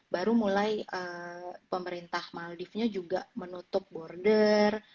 baru mulai pemerintah maldifnya juga menutup border